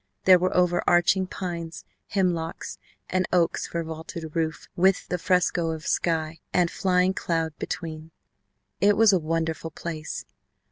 There were over arching pines, hemlocks, and oaks for vaulted roof with the fresco of sky and flying cloud between. It was a wonderful place.